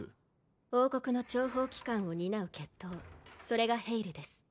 王国の諜報機関を担う血統それがヘイルです